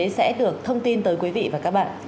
sẽ được thông tin tới quý vị và các bạn